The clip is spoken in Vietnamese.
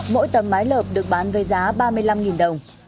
mỗi tấm mái lợp được bán với giá ba mươi năm đồng